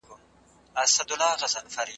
ځواني د عبرت اخیسهمېشهو لپاره لنډ فرصت دی.